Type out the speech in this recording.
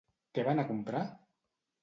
Què va anar a comprar?